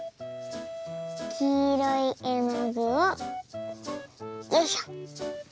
きいろいえのぐをよいしょ。